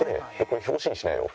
「これ表紙にしなよ」